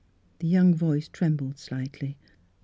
The young voice trembled slightly.